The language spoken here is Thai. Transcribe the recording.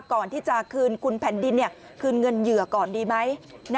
ก่อนที่จะคืนคุณแผ่นดินคืนเงินเหยื่อก่อนดีไหม